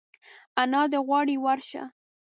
انا دي غواړي ورشه !